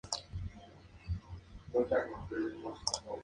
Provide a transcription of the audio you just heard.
Finalmente, en "Final Battle", perdieron los títulos ante the Briscoe Brothers.